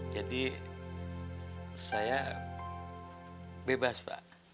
jadi saya bebas pak